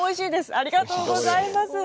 ありがとうございます。